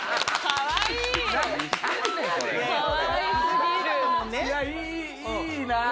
かわいいなぁ。